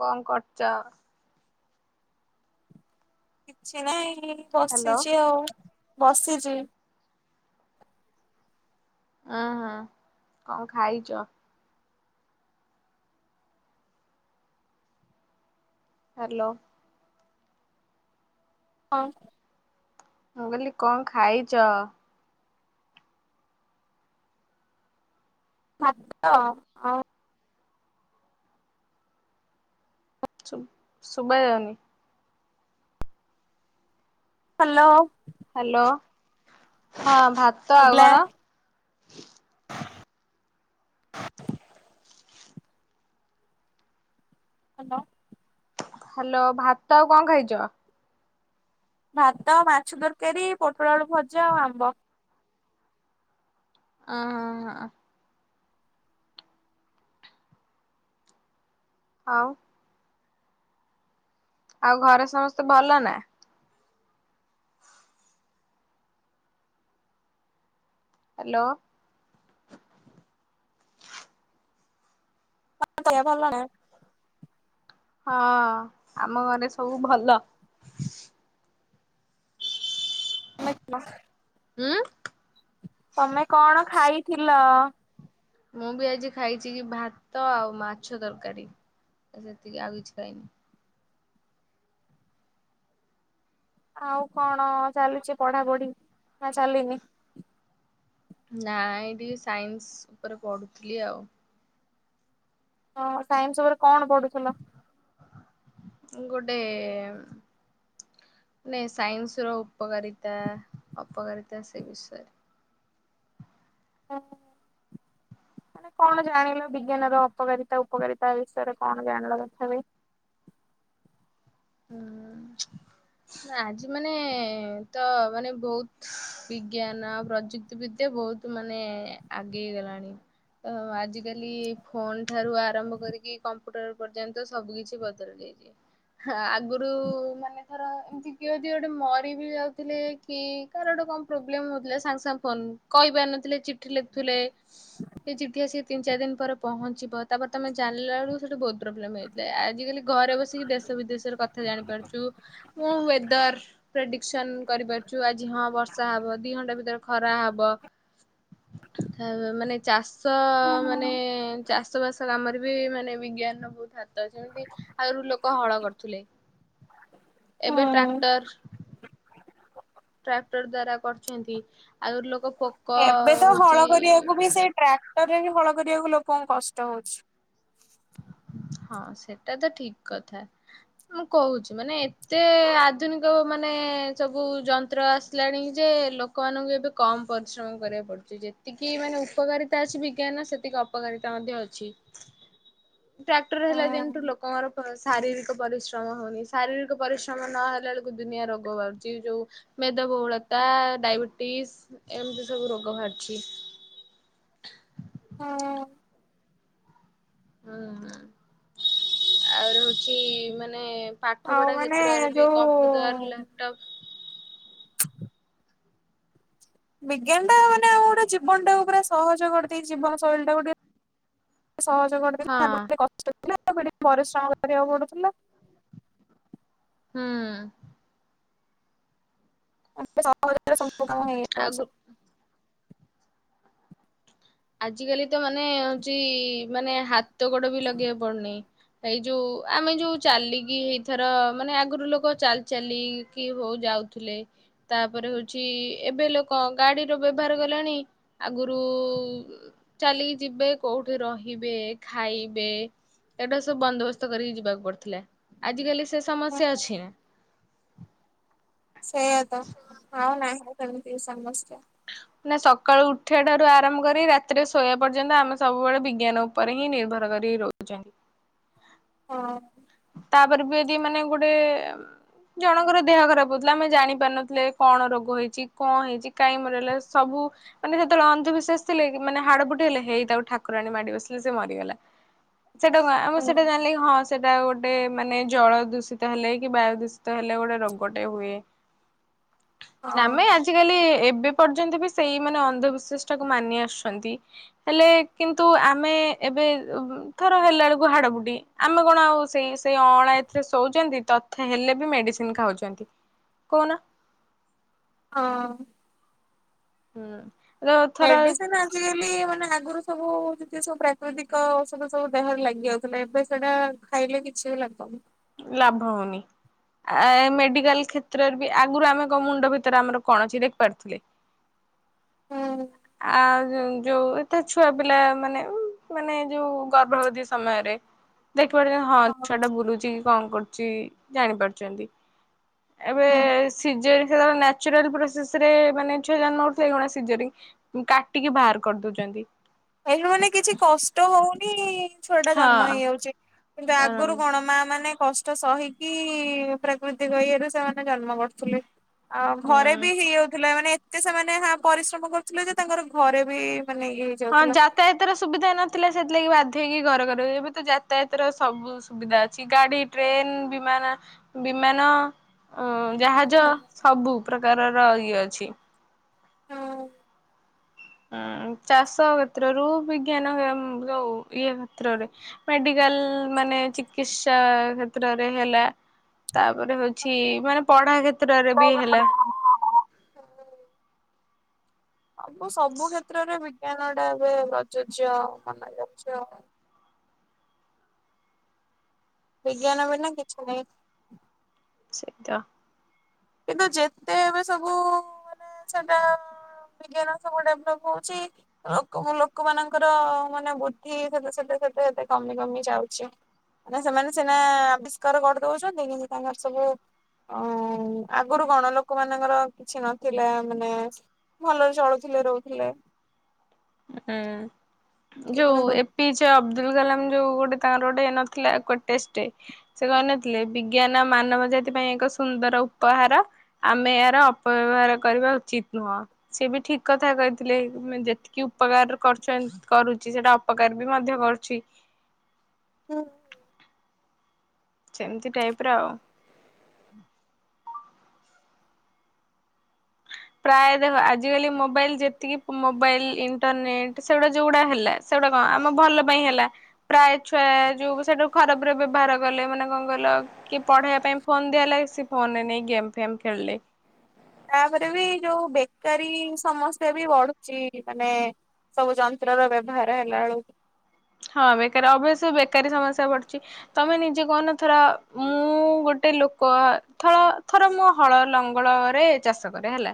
କଣ କରୁଚ? କିଛି ନାଇଁ ହ୍ୟାଲୋ ବସିଛି ଆଉ ବସିଚି। ଅ ହଁ କଣ ଖାଇଚ? ହାଲୋ। ହଁ। ମୁଁ କହିଲି କଣ ଖାଇଚ? ଖାଦ୍ୟ ଆଉ ସୁ ସୁବା ଯାଉନି। ହ୍ୟାଲୋ। ହ୍ୟାଲୋ ହଁ ଭାତ ଆଉ ଶୁଭିଲା କଣ? ହ୍ୟାଲୋ। ହ୍ୟାଲୋ ଭାତ ଆଉ କଣ ଖାଇଚ? ଭାତ ମାଛ ତରକାରୀ ପୋଟଳଆଳୁ ଭଜା ଆଉ ଆମ୍ବ। ଅ ହଁ ହଁ। ଆଉ ଆଉ ଘରେ ସମସ୍ତେ ଭଲ ନା? ହ୍ୟାଲୋ। [unintelligible] ହଁ ଆମ ଘରେ ସବୁ ଭଲ। [unintelligible] ହୁଁ। ତମେ କଣ ଖାଇଥିଲ? ମୁଁ ବି ଆଜି ଖାଇଛି କି ଭାତ ଆଉ ମାଛ ତରକାରୀ ସେତିକି ଆଉ କିଛି ଖାଇନି। ଆଉ କଣ ଚାଲୁଛି ପଢାପଢି ନା ଚାଲିନି? ନାଇ ଏ ଟିକେ ସାଇନ୍ସ ଉପରେ ପଢୁଥିଲି ଆଉ। ହଁ ସାଇନ୍ସ ଉପରେ କଣ ପଢୁଥିଲ? ଗୋଟେ ନାଇଁ ସାଇନ୍ସ ର ଉପକାରିତା ଅପକାରିତା ସେ ବିଷୟରେ। ଓଫ ମାନେ କଣ ଜାଣିଲ ବିଜ୍ଞାନ ର ଅପକାରିତା ଉପକାରିତା ବିଷୟରେ କଣ ଜାଣିଲ କଥାପ ହୁଁ ଆଜି ମାନେ ତ ମାନେ ବହୁତ ବିଜ୍ଞାନ ଆଉ ପ୍ରଯୁକ୍ତି ବିଦ୍ୟା ବହୁତ ତୁ ମାନେ ଆଗେଇ ଗଲାଣି ତ ଆଜିକାଲି ଫୋନ ଠାରୁ ଆରମ୍ଭ କରିକି କମ୍ପ୍ୟୁଟର ପର୍ଯ୍ୟନ୍ତ ସବୁ କିଛି ବଦଳି ଯାଇଛି। ଆଗରୁ ମାନେ ଥର ଏମିତି କିଏଦ ଗୋଟେ ମରି ବି ଯାଉଥିଲେ। କି କା ଗୋଟେ କଣ ପ୍ରୋବଲେ ହଉଥିଲା ସାଙ୍ଗଙ୍ଗ ଫୋନ କହିପାରିନଥିଲେ ଚିଠି ଲେଖୁଥିଲେ। ସେ ଜିଠି ସି ତିନ ଚାରି ଦିନ ପରେ ପହଞ୍ଚିବ ତାପ ତମେ ଜାଣିଲ ବେଳକୁ ସେଠ ବହୁତ୍ ପ୍ରୋବଲଲେମ୍ ହୁଏ। ଆଜିକାଲି ଘରେ ବସିକି ଦେଶ ବିଦେଶର କଥା ଜାଣିପାରୁଛୁ ମୁଁ ୱେଦର। ପ୍ରେଡିକସନ କରିପାରୁଛୁ ଆଜି ହଁ ବର୍ଷା ହବ ଦି ଘଣ୍ଟା ଭିତରେ ଖରା ହବ। ତା ମାନେ ଚାଷ ମାନେ ହୁଁ। ଚାଷ ବାସ କାମରେ ବି ମାନେ ବିଜ୍ଞାନର ବହୁତ ହାତ ଅ ଯେମତି ଆହୁରୁ ଲୋକ ହଳ ଥିଲେ ଏବେ ହୁଁ ଟ୍ରାକ୍ଟର ଟ୍ରାକ୍ଟର ଦ୍ଵାରା କରଛନ୍ତି ଆଉରି ଲୋକ ଏବେ ତ ହଳ ହଉଛି କରିବାକୁ ବି ସେଇ ଟ୍ରାକ୍ଟର ରେ ବି ହଳ କରିବାକୁ ଲୋକଙ୍କୁ କଷ୍ଟ ହଉଛି। ହଁ ସେଟା ତ ଠିକ କଥା ମୁଁ କହୁଛି ମାନେ ଏତେ ଆଧୁନିକ ମାନେ ସବୁ ଯନ୍ତ୍ର ଆସ। ଆଇଲାଣି ଯେ ଲୋକମାନଙ୍କୁ ଏବେ କମ୍ ପରିଶ୍ରମ କରିବାକୁ ପଡୁଛି। ଯେତିକି ମାନେ ଉପକାରିତା ଅଛି ବିଜ୍ଞାନ ସେତିକି ଅପକାରିତା ମଧ୍ୟ ଅଛି। ଟ୍ରାକ୍ଟର ହେଲା ଦିନଠୁ ହୁଁ ଲୋକଙ୍କର ଶାରୀରିକ ପରିଶ୍ରମ ହଉନି ଶାରୀରିକ ପରିଶ୍ରମ ନହଲା ବେଳକୁ ଦୁନିଆ ରୋଗ ବାହାରୁଛି ଯୋଉ ମେଦବହୁଳତା ଡାଇବେଟିସ୍ ଏମିତି ସବୁ ରୋଗ ବାହାରିଛି। ହଁ ହୁଁ ଆର ହଉଛି ମାନେ ଆଉ ପାଠପଢ଼ା ମାନେ କ୍ଷେତ୍ରରେ ବି କମ୍ପ୍ୟୁଟର ଯୋଉ ଲ୍ୟାପଟପ୍। ବିଜ୍ଞାନ ଟା ମାନେ ଆଉ ଗୋଟେ ଜୀବନ ଟାକୁ ପୁରା ସହଜ କରିଦେଇି ଜୀବନ ଶୈଳୀ ଟା କୁଟି। ସହଜ ହଁ ଟିକେ କଷ୍ଟ ଥିଲା ଟିକେ ପରିଶ୍ରମ କରିବାକୁ ପଡୁଥିଲା। ହୁଁ ହୁଁ ହୁଁ। ସହଜରେ ସବୁକାମ ହେଇଯାଉଛି। ଆଗୁ ଆଜିକାଲି ତ ମାନେ ହଉଛି ମାନେ ହାତ ଗୋଡ ବି ଲଗେଇବାକୁ ପଡୁନି। ଏଇ ଯୋଉ ଆମେ ଯୋଉ ଚାଲିକି ଏଇଥର ମାନେ ଆଗରୁ ଲୋକ ଚାଲି ଚାଲିକି ହଉ ଯାଉ। ଥିଲେ। ତାପରେ ହେଉଛି ଏବେ ଲୋକ ଗାଡ଼ିର ବ୍ୟବହାର କଲାଣି ଆଗରୁ। ଚାଲି ଯିବେ କୋଉଠି ରହିବେ ଖାଇବେ। ଏଇଟା ସବୁ ବନ୍ଦୋବସ୍ତ କରିକି ଯିବାକୁ ପଡଥିଲା ଆଜିିକାଲି ସେ ହୁଁ ସମସ୍ୟା ଅଛି ନା। ସେୟା ତ ଅଉ ନାହିଁ ସେମିତି ସମସ୍ୟା। ମାନ ସକାଳୁ ଉଠିବା ଠାରୁ ଆରମ୍ କରି ରାତିରେ ଶୋଇବା ପର୍ଯ୍ୟନ୍ତ ଆମେ ସବୁବେଳେ ବିଜ୍ଞାନ। ଉପରେ ହିଁ ନିର୍ଭର କରି ରହୁଚି। ହଁ। ତାପରେ ବି ଯଦି ମାନେ ଗୋଟେ। ଜଣଙ୍କର ଦେହ ଖରାପ ହଉଥିଲା ଆମେ ଜାଣିପାରୁନଥିଲେ କଣ ରୋଗ ହେଇଛି କଣ ହେଇଛି କାଇଁ ମରିଗଲା ସବୁ। ମାନେ ସେତେବେଳେ ଅନ୍ଧବିଶ୍ୱାସ ଥିଲେ କି ମାନେ ହାଡ଼ ଫୁଟି ହେଲେ ହେଇ ତାକୁ ଠାକୁରି ମାଡି ବସିଲେ ସେ ମରିଗଲା। ସେଟା କ ଆମେ ହୁଁ ସେଟା ଯାଣିଲେ କି ହଁ ସେଟା ଗୋଟେ। ଗୋଟେ ମାନେ ଜଳ ଦୂଷିତ ହେଲେ କି ବାୟୁ ଦୂଷିତ ହେଲେ ଗୋଟେ ରୋଗଟେ ହୁଏ। ହଁ ନାମେ ଆଜି ଆଜ କାଲି ଏବେ ପର୍ଯ୍ୟନ୍ତ ବି ସେଇ ମାନେ ଅନ୍ଧବିଶ୍ୱାସ ଟାକୁ ମାନି ଆସୁଛନ୍ତି। ହେଲେ କିନ୍ତୁ ଆମେ ଏବେ ଥର ହେଲା ବେଳକୁ ହାଡ ଫୁଟି ଆମେ କଣ ଆଉ ସେଇ ସେଇ ଅଣା ଏଥିରେ ଶୋଉଛନ୍ତି। ତଥେ ହେଲେ ବି ମେଡ଼ିସିନ ଖାଉଛନ୍ତି କହୁନ। ହଁ। ହୁଁ। ଥର ମେଡିସିନ୍ ଆ ଆଜି କାଲି ମାନେ ଆଗୁରୁ ସବୁ ଯେତିକ ସବୁ ପ୍ରାକୃତିକ ଔଷଧ ସବୁ ଦେହରେ ଲାଗି ଯାଉଥିଲା। ଏବେ ସେଇଟା ଖାଇଲେ କିଛି ବି ଲାଗନି। ଲାଭ ହଉନି। ଆ ମେଡିକାଲ କ୍ଷେତ୍ରରେ ବି ଆଗରୁ ଆମେ କ ମୁଣ୍ଡ ଭିତରେ ଆମର କଣ ଅଛି ଦେଖି ପାରୁଥିଲେ? ହୁଁ ଆଉ ଯୋଉ ଏତେ ଛୁଆ ପିଲା ମାନେ ମାନେ ଯୋଉ ଗର୍ଭବତୀ ସମୟରେ। ଦେଖି ପାରୁଛନ୍ତି ହଁ ଛୁଆଟା ବୁଲୁଛି କି କଣ କରୁଛି ଜାଣିପାରୁଛନ୍ତି। ଏବେ ହୁଁ ସିଜେରିଆନ୍ ନ୍ୟାଚୁରାଲ ପୋସେସର ମାନେ ଛୁଆ ଜନ୍ମ ହଉଥିବେ କଣ ସିଜରିଙ୍ଗ। କାଟିକି ବାହାର କରି ଦଉଛନ୍ତି। ଏହି ମାନେ କିଛି କଷ୍ଟ ହଉନି ଛୁଆ ଟା ଜନ୍ମ ହଁ ହେଇଯାଉଛି। କିନ୍ତୁ ଆଗରୁ କଣ ମା ମାନେ କଷ କଷ୍ଟ ସହିକି ପ୍ରାକୃତିକ ଇଏରୁ ସେମାନେ ଜନ୍ମ କରୁଥିଲେ। ଆଉ ଘରେ ବି ହୁଁ। ହେଇ ଯାଉଥିଲା। ମାନେ ଏତେ ସେମାନେ ହଁ ପରିଶ୍ରମ କରୁଥିଲେ ଯେ ତାଙ୍କର ଘରେ ବି ମାନେ ଇଏ ହଁ ହେଇଯାଉଥିଲା। ଯାତାୟତାର ସୁବିଧା ନଥିଲା ସେଥିଲାଗି ବାଧ୍ୟ ହେଇକି ଘର ଘରେ ଏବେ ତ ଯାତାୟାତର ସବୁ ସୁବିଧା ଅଛି। ଗାଡି ଟ୍ରେନ୍ ବିମାନା ବିମାନ ହଁ। ଜାହାଜ ସବୁ ପ୍ରକାରର ଇଏ ଅଛି। ହଁ ଚାଷ କ୍ଷେତ୍ରରୁ ବିଜ୍ଞାନ ଯୋଉ ଇଏ କ୍ଷେତ୍ରରେ। ମେଡିକାଲ ମାନେ ଚିକିତ୍ସା କ୍ଷେତ୍ରରେ ହେଲା। ତାପରେ ହଉଛି ମାନେ ପଢା କ୍ଷେତ୍ରରେ ବି ହେଲା। ଆ ସବୁ ସବୁ କ୍ଷେତ୍ରରେ ବିଜ୍ଞାନଟା ଏବେ ପ୍ରଯୋଜ୍ୟ ମନ ଯ। ବିଜ୍ଞାନ ବିନା କିଛି ନାହିଁ। ସେଇଟା। କିନ୍ତୁ ଯେତେ ଏବେ ସବୁ ମାନେ ସେଟା ବିଜ୍ଞାନ ସବୁ ଡେଭଲପ ହଉଛି ଲୋକ ଲୋକମାନଙ୍କର ମାନେ ବୁଦ୍ଧି ସେତେ ସେତେ ସେତେ ସେତେ କମି କମି ଯାଉଛି। ମାନେ ସେମାନେ ସିନା ଆବିଷ୍କାର କରି ଦଉଛନ୍ତି। କିନ୍ତୁ ତାଙ୍କର ସବୁ ଅ ଆଗରୁ କଣ ଲୋକ ମାନଙ୍କର କିଛି ନଥିଲା ମାନେ ଭଲରେ ଚଳୁଥିଲେ ରହୁଥିଲେ। ହୁଁ ଯୋଉ ଏ ପିଚ ଅବଦୁଲ କାଲାମ ଯୋଉ ଗୋଟେ ତାଙ୍କର ଗୋଟେ ନଥିଲା ଟେଷ୍ଟ। ସେ କହିନଥିଲେ ବିଜ୍ଞାନ ମାନବ ଜାତି ପାଇଁ ଏକ ସୁନ୍ଦର ଉପହାର। ଆମେ ଏହାର ଅପବ୍ୟବହାର କରିବା ଉଚିତ ନୁହଁ। ସେ ବି ଠିକ କଥା କହିଥିଲେ। ମାନେ ଯେ କି ଉପକାର କରୁଛ କରୁଛି ସେଇଟା ଅପକାର ବି ମଧ୍ୟ କରୁଛି। ହୁଁ। ସେମତି ଟାଇପର ଆଉ। ପ୍ରାୟ ଦେଖ ଆଜିକାଲି ମୋବାଇଲ ଯେତିକି ମୋବାଇଲ ଇଣ୍ଟରନେଟ ସେଗୁଡା ଯୋଉଗୁଡା ହେଲା। ସେଗୁଟା କଣ ଆମ ଭଲ ପାଇଁ ହେଲା। ପ୍ରାୟ ଛୁଆ ଯୋଉ ସେଇଟା ଖରାପରେ ବ୍ୟବହାର କଲେ ମାନେ କଣ କହିଲ କି ପଢେଇବା ପାଇଁ ଫୋନ୍ ଦିଆ ହେଲା ସ ଫୋନରେ ନେଇ ଗେମ୍ ଫେମ୍ ଖେଳିଲେ। ତାପରେବି ଯୋଉ ବେକାରୀ ସମସ୍ୟାବି ବଢ଼ୁଚି ମାନେ ସବୁ ଯନ୍ତ୍ରର ବ୍ୟବହାର ହେଲା ଆଳକୁ ହଁ ବେକାରୀ ଅଭଶ୍ୟ ବେକାରୀ ସମସ୍ୟା ପଡ଼ୁଚି। ତମେ ନିଜେ କହନ ଥର ମୁଁ ଗୋଟେ ଲୋକ ଥଳ ଥର ମୁଁ ହଳ ଲଙ୍ଗଳରେ ଚାଷ କରେ ହେଲା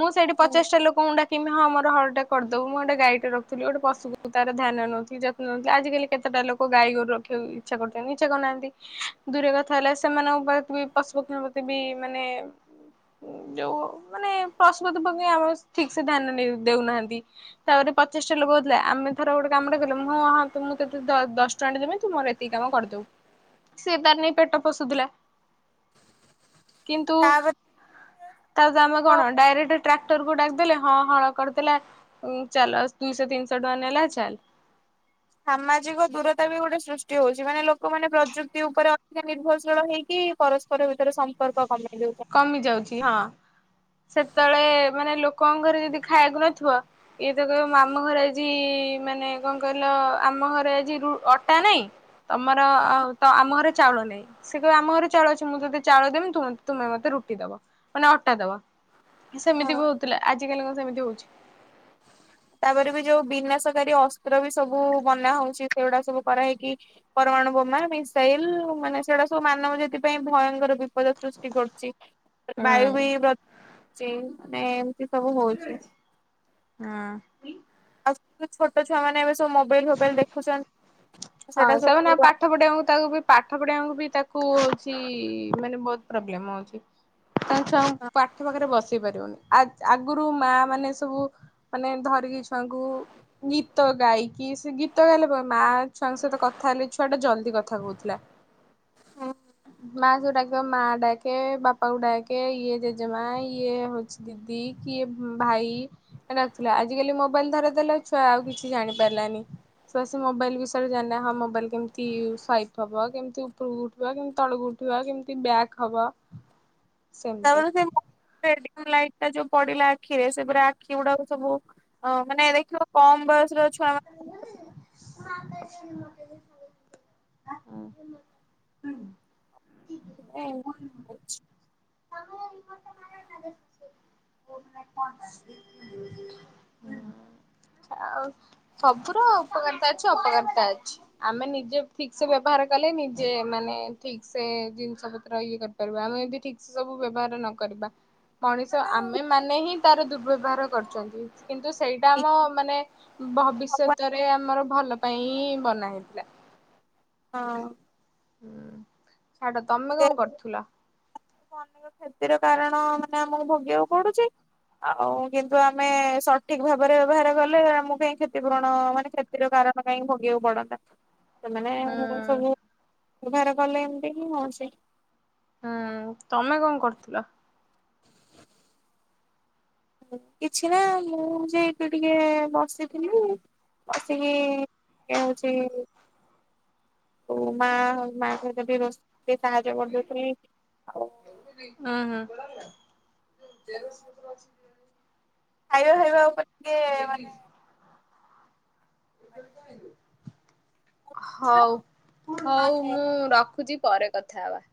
ମୁଁ ସେଇଠି ବେଳକୁ ପଚାଶଟା ଲୋକଙ୍କୁ ଡାକି କିମେ ହଁ ମର ହଳଟେ କରିଦବୁ ମୁଁ ଗୋଟ ଗାଈଟେ ରଖଲି ଗୋଟେ ପଶୁକୁ ତର ଧ୍ୟାନ ନେଉଚି ଯ ଆଜିକାଲି କେତେଟା ଲୋକ ଗାଈଗୋରୁ ରଖିବାକୁ ଇଚ୍ଛା କରୁଚନ୍ତି ଇଚ୍ଛା କରନାହାନ୍ତି। ଦୂର କଥା ହେଲେ ସେମାନଙ୍କ ପାଖେବି ପଶୁପକ୍ଷୀଙ୍କ ପ୍ରତି ବି ମାନେ ଯୋଉ ମାନେ ପସୁ ପକ୍ଷୀ ପ୍ରତି ଆମର ଠିକସେ ଧ୍ୟାନ ନେ ଦଉନାହାନ୍ତି। ତାପରେ ପଚିଶିଟା ଲୋକ କରିଥିଲା ଆମେ ଧର ଗୋଟେ କାମଟେ କଲୁ ହଁ ହଁ ଆ ତମୁଁ ତତେ ଦଶ ଟଙ୍କାେ ଦେବି ତୁମର ଏତିକି କାମ କରିଦବୁ ସେ ତାର ନେଇ ପେଟ ପୋଷୁଥିଲା କିନ୍ତୁ ତାପରେ ତାଯେ ଆମେ କଣ ତ ଡାଇରେକ୍ଟ ଟ୍ରାକ୍ଟର କୁ ଡାକିଦେଲେ ହଁ ହଳ କରିଦେଲେ ଉଁ ଚାଲ ଦୁଇଶହ ତିନଶହ ଟଙ୍କା ନେଲା ଚାଲ୍ ସାମାଜିକ ଦୂରତାବି ଗୋଟେ ସୃଷ୍ଟି ହଉଚି ମାନେ ଲୋକମାନେ ପ୍ରଯୁକ୍ତି ଉପରେ ଅଧିକ ନିର୍ଭରଶୀଳ ହେଇକି ପରସ୍ ପର ଭିତରେ ସମ୍ପର୍କ କମେଇ ଦଉଚନ୍ତି। କମି ଯାଉଚି ହଁ ସେତେବେଳେ ମାନେ ଲୋକଙ୍କ ଘରେ ଯଦି ଖାଇବାକୁ ନଥିବ ଇଏତ କହିବ ଆମ ଘରେ ଆଜି ମାନେ କଣ କହିଲ ଆମ ଘରେ ଆଜି ରୁ ଅଟା ନାହିଁ ତମର ଆଉତ ଆମ ଘରେ ଚାଉଳ ନାହିଁ ସେକହିବ ଆମ ଘରେ ଚାଉଳ ଅଛି ମୁଁ ତଦେ ଚାଉଳ ଦେମି ତୁମତେ ତୁମେ ମତେ ରୁଟି ଦବ ମାନେ ଅଟା ଦବ ହଁ। ସେମିତିବି ହଉଥିଲା ଆଜକାଲି କଁ ସେମିତି ହଉଚି। ତାପରେବି ଯୋଉ ବିନାଶକାରୀ ଅସ୍ତ୍ରବି ସବୁ ବନା ହଉଚି ସେଗୁଡ଼ା ସବୁ କରାହେଇକି ପରମାଣୁ ବୋମା ମିସାଇଲ୍ ମାନେ ସେଇଟା ସବୁ ମାନବ ଯେଥିପାଇଁ ଭୟଙ୍କର ପଦାର୍ଥ ସୃଷ୍ଟି କରୁଚି ହୁଁ ବାୟୁବି ବ ଚି ମାନେ ଏମିତି ସବୁ ହଉଚି। ହଁ। ଆଉ ଛୋଟ ଛୁଆ ମାନ ଏବେ ସବୁ ମୋବାଇଲ୍ ଫୋବାଇଲ୍ ଦେଖୁଛ ହଁ ସେମାନେ ଆଉ ପାଠ ପଢିବାକୁ ତାକୁବି ପାଠ ପଢିବାଙ୍କୁବି ତାକୁ ହଉଚି ମାନେ ବହୁତ୍ ପ୍ରୋବ୍ଲେମ ହଉଚି। ତମେ ଛୁଆକୁ ହଁ ପାଠ ପାଖରେ ବସେଇ ପାରିବୁନି ଆ ଆଗୁରୁ ମା ମାନେ ସବୁ ମାନେ ଧରିକି ଛୁଆଙ୍କୁ ଗୀତ ଗାଇକି ସେ ଗୀତ ଗାଇଲେ କଁ ମା ଛୁଆଙ୍କ ସହିତ କଥା ହେଲେ ଛୁଆଟା ଜଲ୍ଦି କଥା କହୁଥିଲା। ମା ଯୋଉଡାକିବ ମା ଡାକେ ବାପାକୁ ଡାକେ ଇଏ ଜେଜେମା ଇଏ ହଉଚି ଦିଦି କିଏ ଭାଇ ଡାକୁଥୁଲା ଆଜିିକାଲି ମୋବାଇଲ୍ ଧରେଇଦେଲେ ଆଉ ଛୁଆ ଆଉ କିଛି ଜାଣି ପାରିଲାନି ଛୁଆ ସେ ମୋବାଇଲ ବି [unintelligible] ହଁ ମୋବାଇଲ୍ କେମିତି ସାଇପ୍ ହବ କେମିତି ଉପରକୁ ଉଠିବ କେମିତି ତଳକୁ ଉ ଠିବ କେମତି ବ୍ୟାଗ୍ ହବ। [inaudible] ସେମିତି। ତାପରେ ସେ ଲାଇଟ୍ ଟା ଯୋଉ ପଡ଼ିଲା ଆଖିରେ ସେପୁରା ଆଖି ଗୁଡ଼ାକ ସବୁ ହଁ ମାନେ ଦେଖିବ କମ୍ ବୟସର ଛୁଆ ମାନେ [unintelligible] [unintelligible] [unintelligible] [unintelligible] [inaudible] ଆଉ ସବୁର ଉପକାରତା ଅଛି ଅପକାରତା ଅଛି। ଆମେ ନିଜେ ଠିକ ସେ ବ୍ୟବହାର କଲେ ନିଜେ ମାନେ ଠିକ ସେ ଜିନିଷ ପତ୍ର ଇଏ କରି ଆମେ ଯଦି ଠିକ ସେ ସବୁ ବ୍ୟବହାର ନ କରିବା ମଣିଷ ଆମେ ମାନେ ହିଁ ତାର ଦୁର୍ବ୍ୟବହାର କରୁଛନ୍ତି କିନ୍ତୁ ସେଇଟା ଆମ ମାନେ ଭବିସ୍ୟତରେ ଆମର ଭଲ ପାଇଁ ବନା ହେଇଥିଲା। ହଁ। ହୁଁ ଛାଡ ତମେ କଣ କରୁଥିଲ? ଅନେକ କ୍ଷତିର କାରଣ ମାନେ ଆମକୁ ଭୋଗିବାକୁ ପଡୁଛି। ଆଉ କିନ୍ତୁ ଆମେ ସଠିକ ଭାବରେ ବ୍ୟବହାର କଲେ ଆମକୁ କାଇହିଁ କ୍ଷତିପୂରଣ ମାନେଷ ର କାରଣ କାହିଁକି ଭୋଗିବାକୁ ପଡନ୍ତା। ହୁଁ ସେମାନେ ସବୁ ବ୍ୟବହାର କଲେ ଏମିତି ହିଁ ହଉଛି। ହୁଁ ତମେ କଣ କରୁଥିଲ? କିଛି ନା ମୁଁ ଯାଇକି ଟିକେ ବସିଥିଲି। ବସିକି କିଏ ହଉଛି ମା ମାଆଙ୍କତ ବି ରୋସେଇ ସାହାଯ୍ୟ କରିଦଉଥିଲି ଆଉ ହଁ ହଁ। ଖାଇବା ଖାଇବା ଉପରେ ଟିକେ ମାନେ ଆଜ ହଉ ହଉ ମୁଁ ରଖୁଛି ପରେ କଥା ହେବା।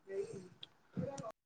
ବଇ